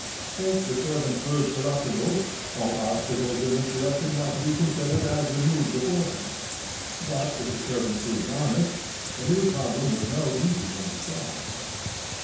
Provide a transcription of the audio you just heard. If the servant proved corruptible, all obstacles in this direction might be considered as removed beforehand. But if the servant proved honest, the new problem was no easy one to solve.